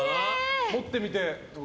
持ってみて。